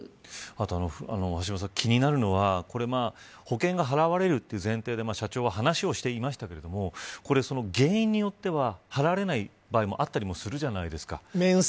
あと、橋下さん気になるのは保険が払われるという前提で社長は話をしていましたが原因によっては払われない場合もあったりするじゃないですか。